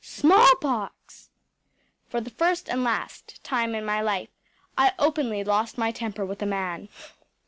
‚ÄĚ Smallpox! For the first and last time in my life, I openly lost my temper with a man.